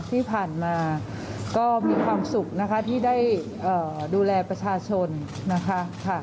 ที่ผ่านมาก็มีความสุขนะคะที่ได้ดูแลประชาชนนะคะ